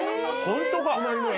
ホントか。